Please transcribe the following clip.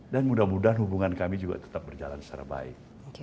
dan mudah mudahan hubungan kami juga tetap berjalan secara baik